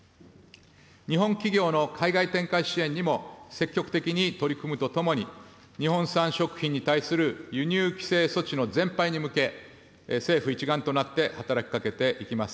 日本企業の海外展開支援にも積極的に取り組むとともに、日本産食品に対する輸入規制措置の全廃に向け、政府一丸となって働きかけていきます。